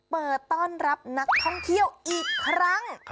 เปิดต้อนรับนักท่องเที่ยวอีกครั้ง